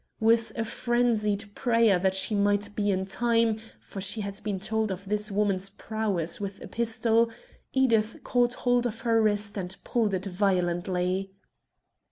With a frenzied prayer that she might be in time for she had been told of this woman's prowess with a pistol Edith caught hold of her wrist and pulled it violently.